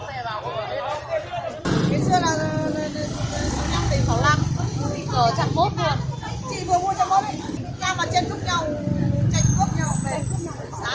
chị vừa mua trạng mốt cao vào trên thúc nhau trạng thúc nhau